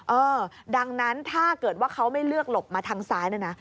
เออดังนั้นถ้าเกิดว่าเขาไม่เลือกหลบมาทางซ้ายนะนะ